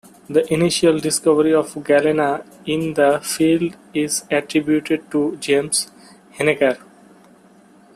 The initial discovery of galena in the field is attributed to James Heneker.